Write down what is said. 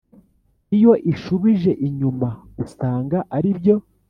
iyo ishubije inyuma usanga aribyo,